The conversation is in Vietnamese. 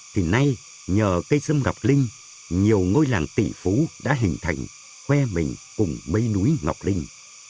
thì nay nhờ cây sâm ngọc linh nhiều ngôi làng tỷ phú đã hình thành khoe mình cùng mây núi ngọc linh